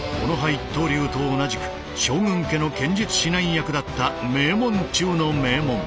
一刀流と同じく将軍家の剣術指南役だった名門中の名門。